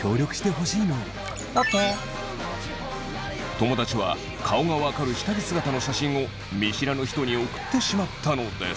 友達は顔が分かる下着姿の写真を見知らぬ人に送ってしまったのです。